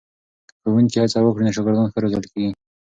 که ښوونکي هڅه وکړي نو شاګردان ښه روزل کېږي.